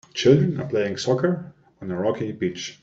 Children are playing soccer on a rocky beach.